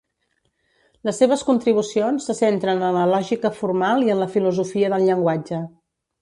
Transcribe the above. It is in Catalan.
Les seves contribucions se centren en la lògica formal i en la filosofia del llenguatge.